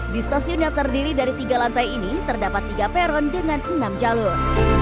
di stasiun yang terdiri dari tiga lantai ini terdapat tiga peron dengan enam jalur